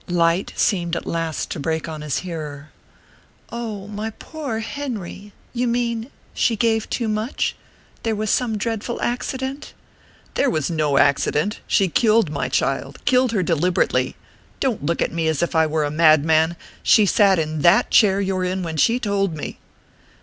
Light seemed at last to break on his hearer. "Oh, my poor Henry you mean she gave too much? There was some dreadful accident?" "There was no accident. She killed my child killed her deliberately. Don't look at me as if I were a madman. She sat in that chair you're in when she told me."